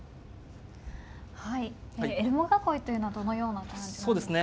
はいエルモ囲いというのはどのような感じなんですか。